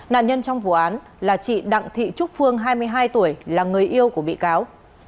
nạn nhân trong vụ án là chị đặng thị trúc phương hai mươi hai tuổi là người yêu của bị cáo